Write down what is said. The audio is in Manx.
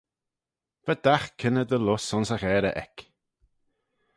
Va dagh kynney dy lus ayns y gharey eck.